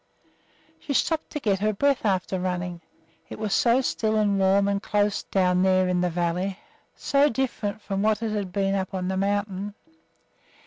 She stopped to get her breath after running. It was so still and warm and close down there in the valley, so different from what it had been up on the mountain.